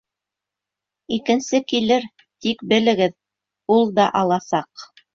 Икенсе килер, тик белегеҙ: ул да аласаҡ.